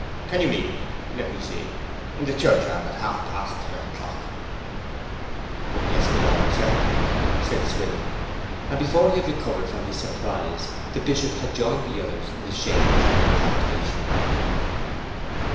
Can you meet me let me see in the churchyard, at half past ten o'clock?' 'O yes, my lord, certainly,' said Swithin. And before he had recovered from his surprise the Bishop had joined the others in the shades of the plantation.